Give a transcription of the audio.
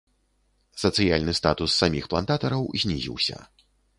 Сацыяльны статус саміх плантатараў знізіўся.